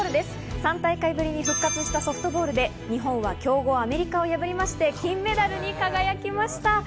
３大会ぶりに復活したソフトボールで日本は強豪アメリカを破りまして、金メダルに輝きました。